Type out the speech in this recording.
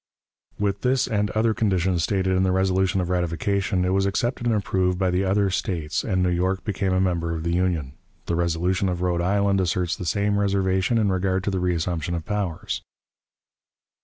With this and other conditions stated in the resolution of ratification, it was accepted and approved by the other States, and New York became a member of the Union. The resolution of Rhode Island asserts the same reservation in regard to the reassumption of powers.